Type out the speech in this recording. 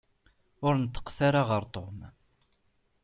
Ur neṭṭqet ara ɣer Tom.